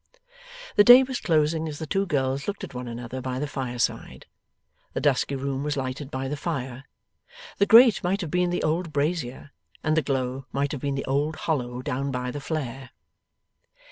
The day was closing as the two girls looked at one another by the fireside. The dusky room was lighted by the fire. The grate might have been the old brazier, and the glow might have been the old hollow down by the flare.